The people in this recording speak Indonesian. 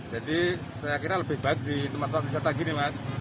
jadi saya kira lebih baik di tempat tempat wisata gini